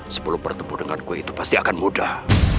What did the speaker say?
sebelum bertemu denganku itu pasti akan mudah